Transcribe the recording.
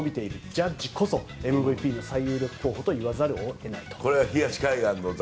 ジャッジこそＭＶＰの最有力候補と言わざるを得ないと。